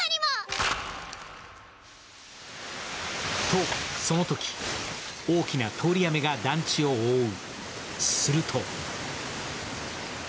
と、そのとき、大きな通り雨が団地を覆う。